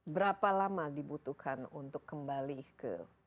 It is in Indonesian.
berapa lama dibutuhkan untuk kembali ke